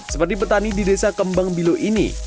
seperti petani di desa kembang bilo ini